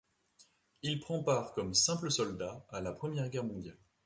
Il prend part, comme simple soldat, à la Première Guerre mondiale.